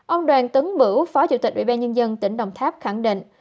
ông đoàn tấn bửu phó chủ tịch ubnd tỉnh đồng tháp khẳng định